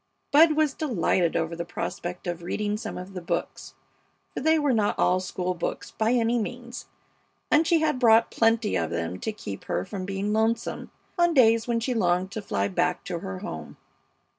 Bud was delighted over the prospect of reading some of the books, for they were not all school books, by any means, and she had brought plenty of them to keep her from being lonesome on days when she longed to fly back to her home.